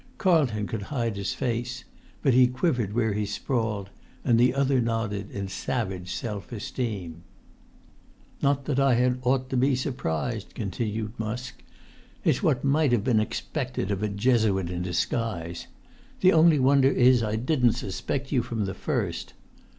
Carlton could hide his face, but he quivered where he sprawled, and the other nodded in savage self esteem. "Not that I had ought to be surprised," continued Musk; "it's what might have been expected of a Jesuit[Pg 25] in disguise; the only wonder is I didn't suspect you from the first.